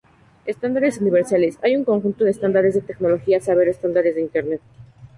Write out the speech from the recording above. Estándares universales: hay un conjunto de estándares de tecnología, a saber, estándares de internet.